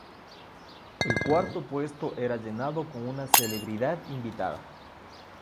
El cuarto puesto era llenado con una celebridad invitada.